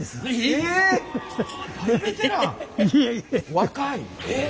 若い！